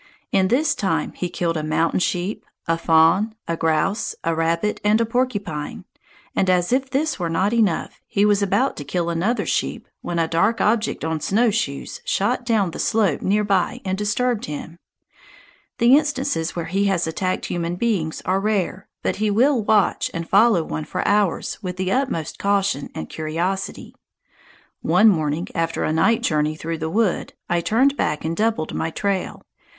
In this time he killed a mountain sheep, a fawn, a grouse, a rabbit, and a porcupine; and as if this were not enough, he was about to kill another sheep when a dark object on snowshoes shot down the slope near by and disturbed him. The instances where he has attacked human beings are rare, but he will watch and follow one for hours with the utmost caution and curiosity. One morning after a night journey through the wood, I turned back and doubled my trail.